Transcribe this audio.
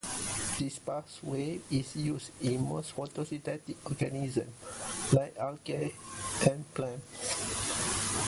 This pathway is used in most photosynthetic organisms, like algae and plants.